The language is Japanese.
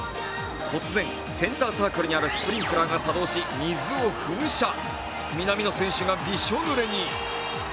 突然センターサークルにあるスプリンクラーが作動し、水が噴射南の選手がびしょぬれに。